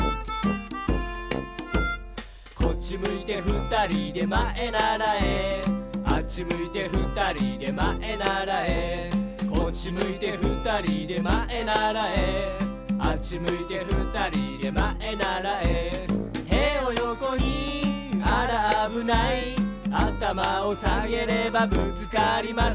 「こっちむいてふたりでまえならえ」「あっちむいてふたりでまえならえ」「こっちむいてふたりでまえならえ」「あっちむいてふたりでまえならえ」「てをよこにあらあぶない」「あたまをさげればぶつかりません」